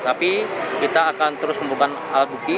tapi kita akan terus membuka alat bukti